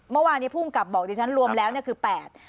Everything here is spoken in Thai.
เมื่อวานี้ผู้กลับบอกที่ฉันรวมแล้วคือ๘